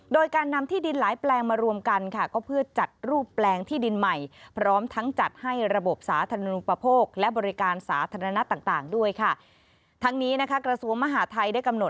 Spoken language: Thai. โดยการนำที่ดินหลายแปลงมารวมกัน